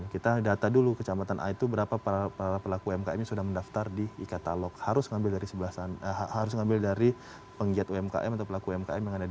kita data dulu kecamatan a itu berapa pelaku mkm sudah mendaftar di ikatalok harus ngambil dari penggiat umkm atau pelaku umkm yang ada di sana